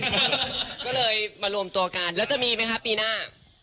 ก็เลยมารวมตัวกันแล้วจะมีไหมคะปีหน้า